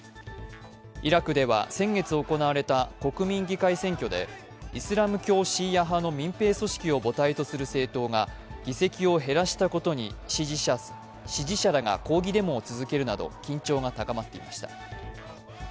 イラクでは先月行われた国民議会選挙でイスラム教シーア派の民兵組織を母体とする政党が議席を減らしたことに支持者らが抗議デモを続けるなど緊張が高まっていました。